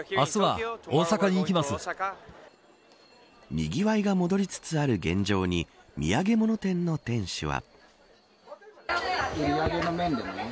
にぎわいが戻りつつある現状に土産物店の店主は。